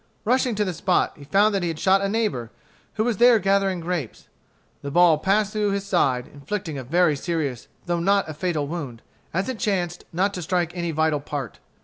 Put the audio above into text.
Rushing to the spot, he found that he had shot a neighbor, who was there gathering grapes. The ball passed through his side, inflicting a very serious though not a fatal wound, as it chanced not to strike any vital part.